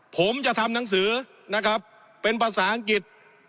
ผมจะทำหนังสือนะครับเป็นภาษาอังกฤษ